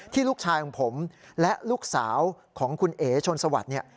ลูกชายของผมและลูกสาวของคุณเอ๋ชนสวัสดิ์เนี่ย